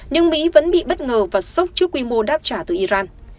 nhưng mỹ vẫn bị bất ngờ và sốc trước quy mô đáp trả từ iran